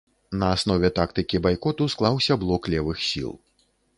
На аснове тактыкі байкоту склаўся блок левых сіл.